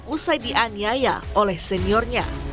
usai dianiaya oleh seniornya